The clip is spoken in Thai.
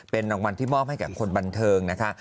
เป็นรางวัลที่มอบให้กับคนบันเทิงนะคะ